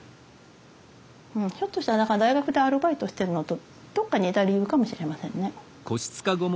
ひょっとしたらだから大学でアルバイトしてるのとどっか似た理由かもしれませんね。